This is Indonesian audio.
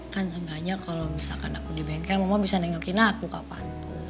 kan sebenarnya kalau misalkan aku di bengkel mama bisa nengokin aku kapan